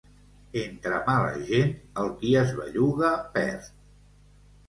Entre mala gent, el qui es belluga perd.